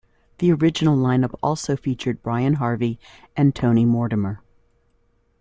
The original line-up also featured Brian Harvey and Tony Mortimer.